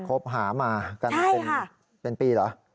พบหามากันเป็นปีเหรอใช่ค่ะ